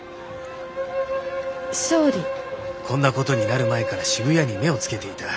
こんなことになる前から渋谷に目をつけていた。